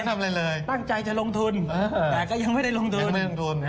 ตั้งใจจะลงทุนแต่ก็ยังไม่ได้ลงทุน